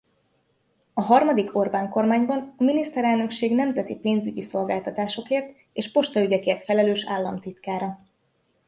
A harmadik Orbán-kormányban a Miniszterelnökség nemzeti pénzügyi szolgáltatásokért és postaügyekért felelős államtitkára.